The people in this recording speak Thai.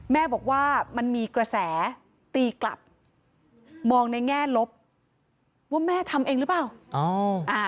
แม่บอกว่ามันมีกระแสตีกลับมองในแง่ลบว่าแม่ทำเองหรือเปล่า